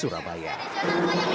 sejarah sejarah wayang indonesia